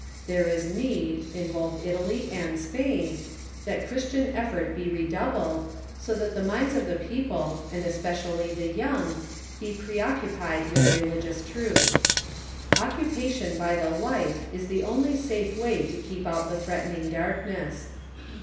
There is need, in both Italy and Spain, that Christian effort be redoubled, so that the minds of the people, and espe cially the young, be preoccupied with religious truth. Occu pation by the light is the only safe way to keep out the threat ening darkness.